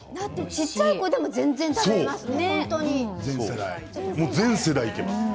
小っちゃい子でも全然食べられますね。